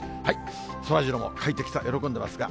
そらジローも快適さ、喜んでいますが。